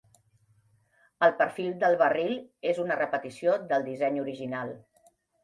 El perfil del barril és una repetició del disseny original.